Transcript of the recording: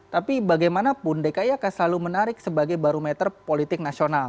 tapi bagaimanapun dki akan selalu menarik sebagai barometer politik nasional